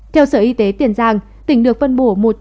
theo sở y tế tiền giang tỉnh được phân bổ